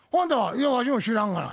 「いやわしも知らんがな」。